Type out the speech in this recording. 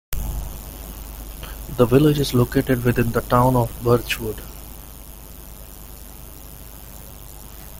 The village is located within the Town of Birchwood.